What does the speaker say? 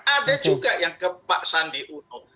ada juga yang ke pak sandi uno